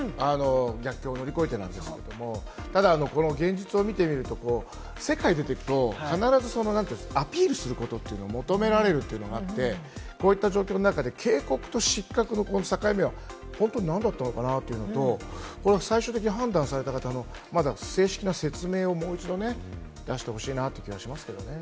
逆境を乗り越えてですけれども、ただ現実を見てみると、世界に出て行くと、必ずアピールすることというのを求められるところがあって、こうした状況の中で、警告と失格の境目は本当に何だったのかなと思うと、最終的に判断された方の正式な説明をもう一度ね、出してほしいなという気がしますけれどもね。